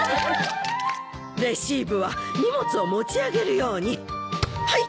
・レシーブは荷物を持ち上げるように。はい！